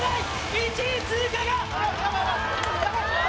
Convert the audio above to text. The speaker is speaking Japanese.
１位通過が！